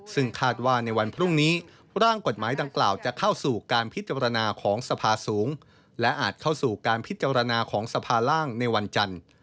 ซึ่งคาดว่าในวันพรุ่งนี้ร่างกฎหมายดังกล่าวจะเข้าสู่การพิจารณาของสภาสูงและอาจเข้าสู่การพิจารณาของสภาล่างในวันจันทร์